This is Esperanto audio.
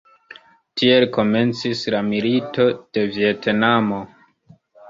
Tiele komencis la Milito de Vjetnamo.